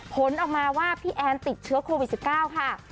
ผลออกมาว่าพี่แอนติดเชื้อโควิด๑๙ค่ะ